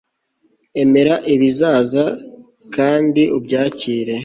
emera ibizaza kandi ubyakire